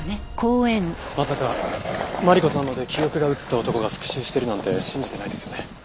まさかマリコさんまで記憶が移った男が復讐してるなんて信じてないですよね？